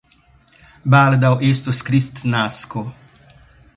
Baldaŭ estos kristnasko.